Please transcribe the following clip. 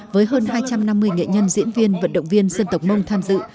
với hơn hai trăm năm mươi nghệ nhân diễn viên vận động viên dân tộc mông tham dự